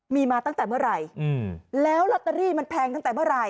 มีมาตั้งแต่เมื่อไหร่แล้วลอตเตอรี่มันแพงตั้งแต่เมื่อไหร่